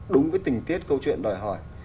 đúng với tình tiết câu chuyện đòi hỏi